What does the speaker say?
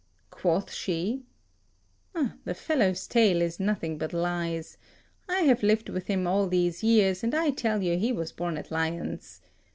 Quoth she, "The fellow's tale is nothing but lies. I have lived with him all these years, and I tell you, he was born at Lyons.